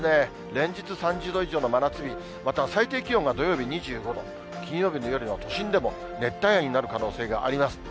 連日３０度以上の真夏日、また最低気温が土曜日２５度、金曜日の夜には都心でも熱帯夜になる可能性があります。